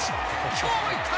今日も行った！